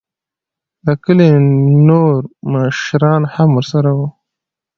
دکلي نوور مشران هم ورسره وو.